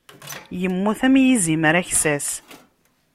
Immut am izimer aksas.